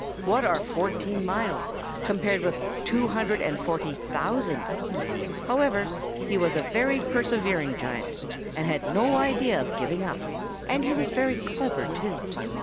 What are fourteen miles, compared with two hundred and forty thousand? However, he was a very persevering giant, and had no idea of giving up; and he was very clever too.